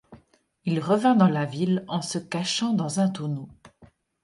Il revint dans la ville en se cachant dans un tonneau.